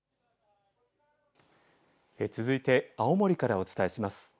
続いて青森からお伝えします。